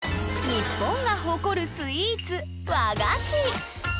日本が誇るスイーツ和菓子。